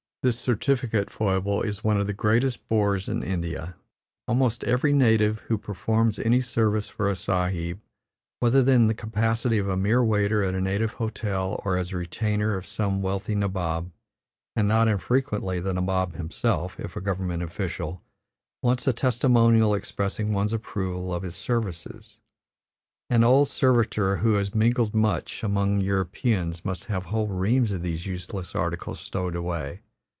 This certificate foible is one of the greatest bores in India; almost every native who performs any service for a Sahib, whether in the capacity of a mere waiter at a native hotel, or as retainer of some wealthy nabob and not infrequently the nabob himself, if a government official wants a testimonial expressing one's approval of his services. An old servitor who has mingled much among Europeans must have whole reams of these useless articles stowed away.